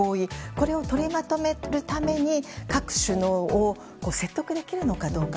これを取りまとめるために各首脳を説得できるのかどうか。